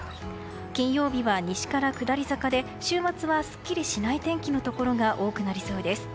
金曜日は西から下り坂で週末はすっきりしない天気のところが多くなりそうです。